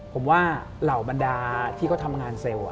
ผมว่าเหล่าบรรดาที่เขาทำงานเซลล์